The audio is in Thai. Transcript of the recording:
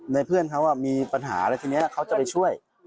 ในเพื่อนเขาอ่ะมีปัญหาอะไรทีเนี้ยเขาจะไปช่วย